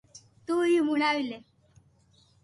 تو ھي ھڻاوي لي